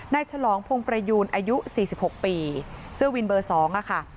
ฉลองพงประยูนอายุ๔๖ปีเสื้อวินเบอร์๒ค่ะ